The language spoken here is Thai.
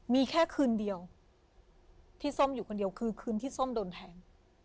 มีแค่คืนเดียวที่ส้มอยู่คนเดียวคือคืนที่ส้มโดนแทง